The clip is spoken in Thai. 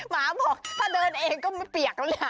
หมาบอกถ้าเดินเองก็ไม่เปียกแล้วแหละ